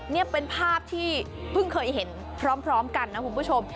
นี่เป็นภาพที่เพิ่งเคยเห็นพร้อมกันนะคุณผู้ชม